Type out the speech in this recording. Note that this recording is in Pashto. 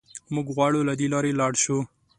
موږ غواړو له دې لارې لاړ شو.